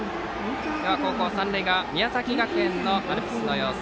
後攻、三塁側宮崎学園のアルプスの様子